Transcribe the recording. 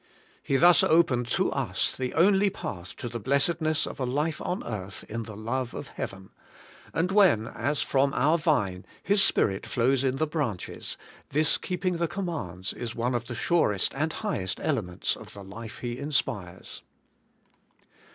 He thus opened to us the only path to the blessedness of a life on earth in the love of heaven; and when, as from our vine. His Spirit flows in the branches, this keeping the commands is one of the surest and highest ele ments of the life He inspires.